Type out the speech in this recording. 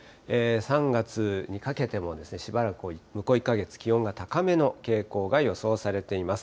３月にかけても、しばらく向こう１か月、気温が高めの傾向が予想されています。